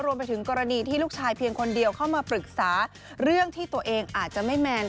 รวมไปถึงกรณีที่ลูกชายเพียงคนเดียวเข้ามาปรึกษาเรื่องที่ตัวเองอาจจะไม่แมน